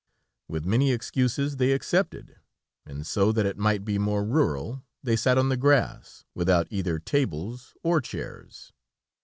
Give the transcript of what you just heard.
With many excuses they accepted, and so that it might be more rural, they sat on the grass, without either tables or chairs.